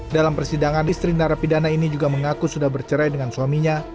dalam persidangan istri narapidana ini juga mengaku sudah bercerai dengan suaminya